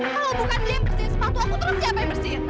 kalau bukan dia yang bersihin sepatu aku terus siapa yang bersihin